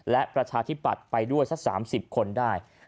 และประชาธิปัตย์ไปด้วยสัก๓๐คนได้